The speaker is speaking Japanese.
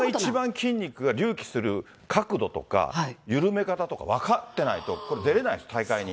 筋肉が隆起する角度とか、緩め方とか分かってないと、出れないです、大会に。